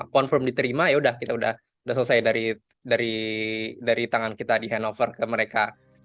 confirm diterima yaudah kita udah selesai dari tangan kita di hanover ke mereka